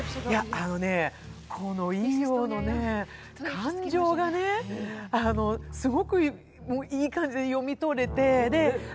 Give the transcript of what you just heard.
このＥＯの感情がね、すごくいい感じで読み取れて。